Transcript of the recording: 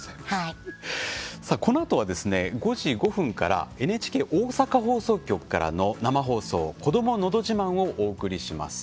このあとは５時５分からＮＨＫ大阪放送局からの生放送「こどものど自慢」をお送りします。